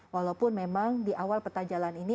walaupun memang di awal peta jalan ini